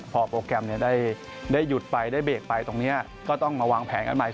พอโปรแกรมได้หยุดไปได้เบรกไปตรงนี้ก็ต้องมาวางแผนกันใหม่